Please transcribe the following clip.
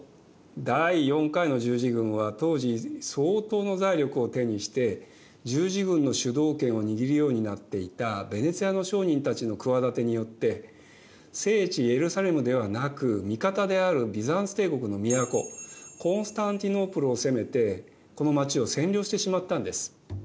第４回の十字軍は当時相当の財力を手にして十字軍の主導権を握るようになっていたヴェネツィアの商人たちの企てによって聖地エルサレムではなく味方であるビザンツ帝国の都コンスタンティノープルを攻めてこの街を占領してしまったんです。